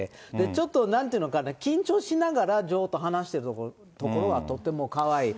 ちょっとなんて言うのかな、緊張しながら女王と話してるところは、とってもかわいい。